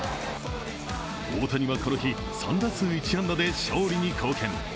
大谷はこの日３打数１安打で勝利に貢献。